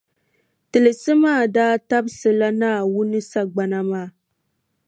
Tiligi maa daa tabisila Naawuni sagbana maa.